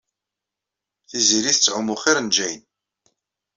Tiziri tettɛumu xir n Jane.